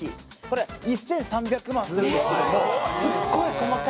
これ１３００万するんですけども。